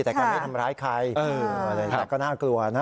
แต่ก็ไม่ทำร้ายใครแต่ก็น่ากลัวนะ